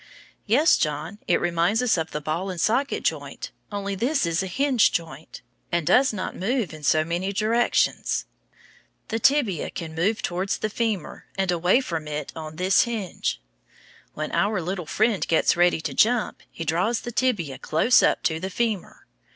Yes, John, it reminds us of the ball and socket joint, only this is a hinge joint, and does not move in so many directions. The tibia can move towards the femur and away from it on this hinge. When our little friend gets ready to jump, he draws the tibia close up to the femur.